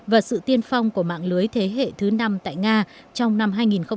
và sự tiên phong của mạng lưới thế hệ thứ năm tại nga trong năm hai nghìn một mươi chín hai nghìn hai mươi